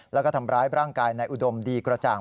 และทำร้ายร่างกายในอุดมดีกระจ่าง